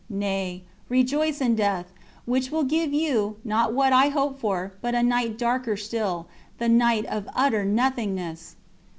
Nay, rejoice in death, which will give you, not what you hope for, but a night darker still, the night of utter nothingness!"